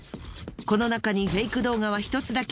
この中にフェイク動画は１つだけ。